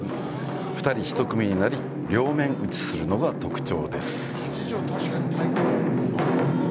２人１組になり、両面打ちするのが特徴です。